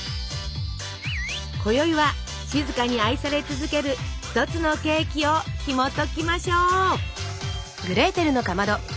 こよいは静かに愛され続ける一つのケーキをひもときましょう。